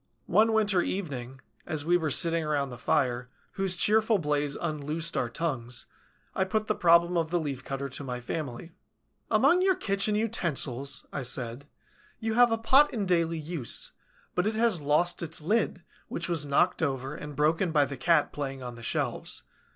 One winter evening, as we were sitting round the fire, whose cheerful blaze unloosed our tongues, I put the problem of the Leaf cutter to my family: "Among your kitchen utensils," I said, "you have a pot in daily use; but it has lost its lid, which was knocked over and broken by the cat playing on the shelves.